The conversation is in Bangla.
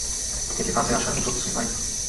এতে কাজে আসার মতো কিছুই পাইনি।